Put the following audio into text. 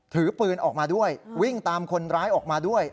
ถือปืนออกมาด้วยวิ่งตามคนร้ายออกมาด้วย